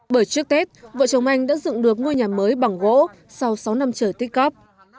bởi trước tết vợ chồng anh đã dựng được ngôi nhà mới bằng gỗ sau sáu năm trời tích cóp